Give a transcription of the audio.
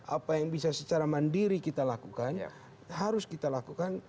apa yang bisa secara mandiri kita lakukan harus kita lakukan